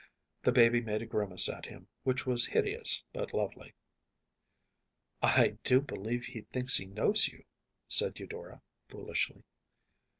The baby made a grimace at him which was hideous but lovely. “I do believe he thinks he knows you,‚ÄĚ said Eudora, foolishly.